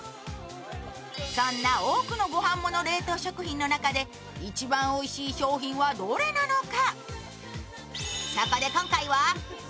そんな多くの御飯もの冷凍食品の中で、一番おいしい商品はどれなのか。